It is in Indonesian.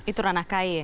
itu ranah kaya